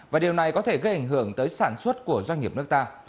và điều này có thể gây ảnh hưởng tới sản xuất của doanh nghiệp nước ta